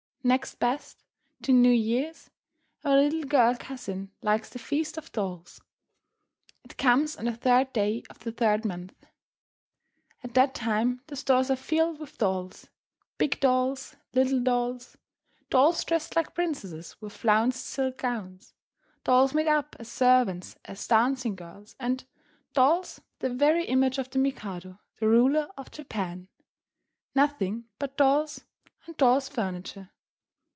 Next best to New Year's, our little girl cousin likes the Feast of Dolls. It comes on the third day of the third month. At that time the stores are filled with dolls, big dolls, little dolls, dolls dressed like princesses with flounced silk gowns, dolls made up as servants, as dancing girls, and dolls the very image of the Mikado, the ruler of Japan, nothing but dolls and dolls' furniture.